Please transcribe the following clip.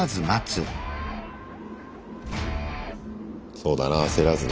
そうだな焦らずな。